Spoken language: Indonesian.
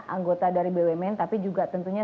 anggota dari bumn tapi juga tentunya